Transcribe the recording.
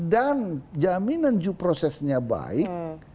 dan jaminan due processnya baik